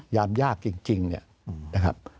ยามยากจริงเนี่ยนะครับ